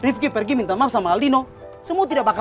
bapak ini bagaimana